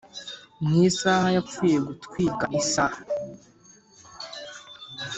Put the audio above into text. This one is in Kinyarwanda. mu isaha yapfuye gutwika isaha